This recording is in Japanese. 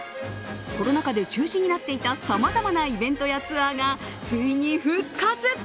コロナ禍で中止になっていたさまざまなイベントやツアーがついに復活。